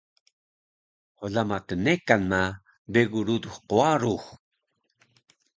hlama tnekan ma begu ludux qwarux